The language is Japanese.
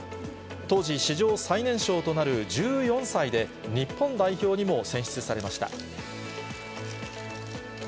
当時、史上最年少となる１４歳で日本代表にも選出されました。